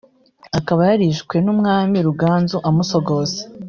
akaba yarishwe n’umwami Ruganzu amusogose